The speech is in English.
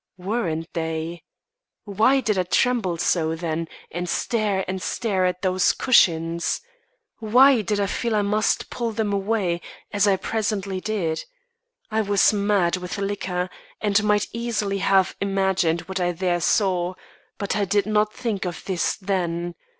Weren't they? Why did I tremble so, then, and stare and stare at those cushions? Why did I feel I must pull them away, as I presently did? I was mad with liquor and might easily have imagined what I there saw; but I did not think of this then.